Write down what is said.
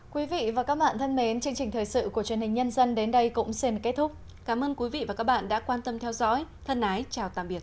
chương trình thời sự của truyền hình nhân dân đến đây cũng xin kết thúc cảm ơn quý vị và các bạn đã quan tâm theo dõi thân ái chào tạm biệt